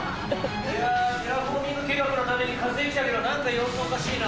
いやテラフォーミング計画のために火星に来たけど何か様子がおかしいな。